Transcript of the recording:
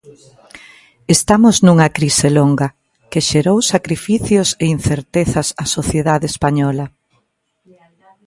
"Estamos nunha crise longa, que xerou sacrificios e incertezas á sociedade española".